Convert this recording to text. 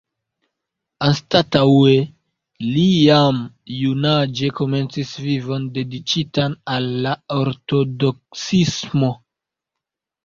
Anstataŭe, li jam junaĝe komencis vivon dediĉitan al la ortodoksismo.